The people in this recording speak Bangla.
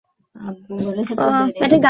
তোমাকে যত্ন নিতে হবে না, ওকে বাঁচিয়ে রাখো শুধু।